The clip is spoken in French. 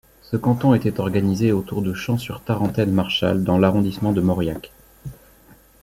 Ce canton était organisé autour de Champs-sur-Tarentaine-Marchal dans l'arrondissement de Mauriac.